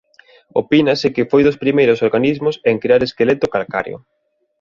Opínase que foi dos primeiros organismos en crear esqueleto calcario.